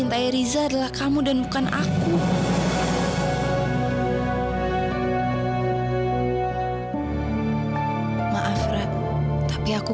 terima kasih bapak